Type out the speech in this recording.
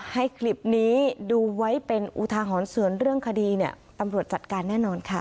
ให้คลิปนี้ดูไว้เป็นอุทาหรณ์ส่วนเรื่องคดีเนี่ยตำรวจจัดการแน่นอนค่ะ